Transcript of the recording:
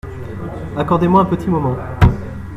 Accordez-moi un petit moment.